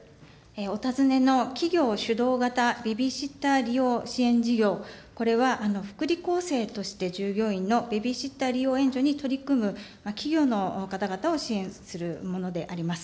お尋ねの企業主導型ベビーシッター利用支援事業、これは福利厚生として従業員のベビーシッター利用援助に取り組む企業の方々を支援するものであります。